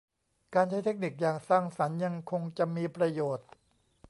การใช้เทคนิคอย่างสร้างสรรค์ยังคงจะมีประโยชน์